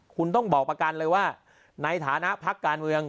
คุณต้องบอกประกันเลยว่าในฐานะพักการเมือง